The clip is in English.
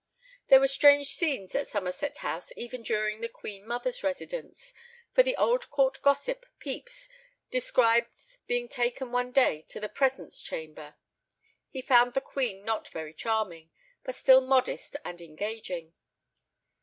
There were strange scenes at Somerset House even during the queen mother's residence, for the old court gossip Pepys describes being taken one day to the Presence chamber. He found the queen not very charming, but still modest and engaging.